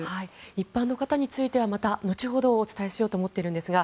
一般の方についてはまた後ほどお伝えしようと思っているんですが